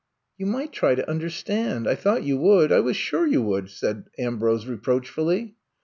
You might try to understand — ^I thought you would. I was sure you would," said Ambrose reproachfully.